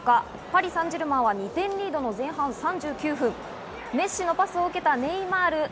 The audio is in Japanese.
パリ・サンジェルマンは２点リードの前半３９分、メッシのパスを受けたネイマール。